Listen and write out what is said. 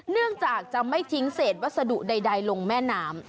เนื่องจากจะไม่ทิ้งเศษวัสดุใดลงแม่น้ำ